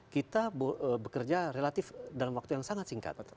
kita bekerja relatif dalam waktu yang sangat singkat